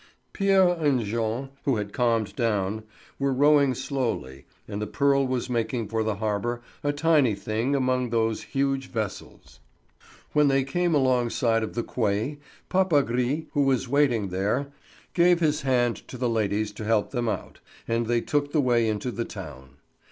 Pierre and Jean, who had calmed down, were rowing slowly, and the Pearl was making for the harbour, a tiny thing among those huge vessels. When they came alongside of the quay, Papagris, who was waiting there, gave his hand to the ladies to help them out, and they took the way into the town.